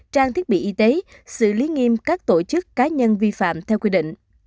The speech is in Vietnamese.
trang thiết bị y tế xử lý nghiêm các tổ chức cá nhân vi phạm theo quy định